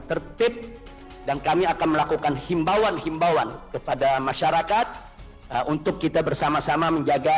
tertib dan kami akan melakukan himbauan himbauan kepada masyarakat untuk kita bersama sama menjaga